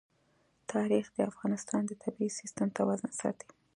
تاریخ د افغانستان د طبعي سیسټم توازن ساتي.